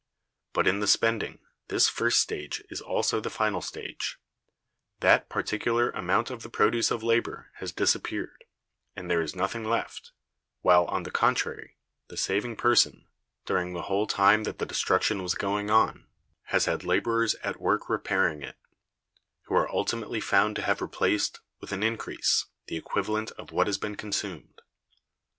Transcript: But in the spending, this first stage is also the final stage; that particular amount of the produce of labor has disappeared, and there is nothing left; while, on the contrary, the saving person, during the whole time that the destruction was going on, has had laborers at work repairing it; who are ultimately found to have replaced, with an increase, the equivalent of what has been consumed.